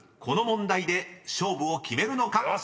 この問題で勝負を決めるのか⁉］